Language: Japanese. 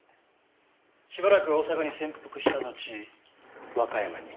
しばらく大阪に潜伏したのち和歌山に向かった。